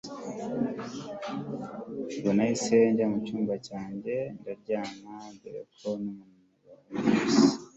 ubwo nahise njya mucyumba cyanjye ndaryama dore ko numunaniro wari wose